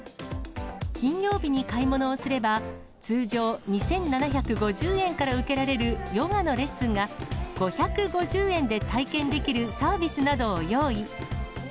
金曜日に買い物をすれば、通常２７５０円から受けられるヨガのレッスンが、５５０円で体験できるサービスなどを用意。